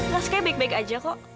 rasanya baik baik aja kok